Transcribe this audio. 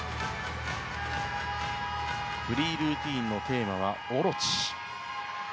フリールーティンのテーマは「大蛇オロチ」。